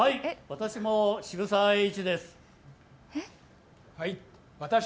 私も渋沢栄一です。